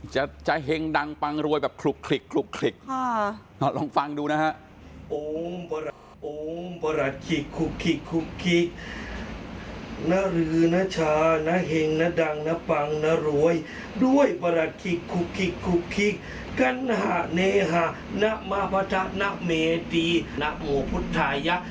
จะเห็งดังปังรวยแบบคลุกลองฟังดูนะฮะ